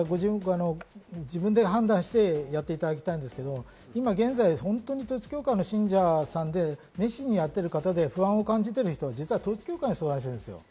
自分で判断してやっていただきたいんですけど、統一教会の信者さんで熱心に今やってる方で不安に感じてる人、統一教会に相談しているんです。